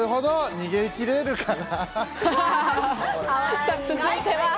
逃げ切れるかな？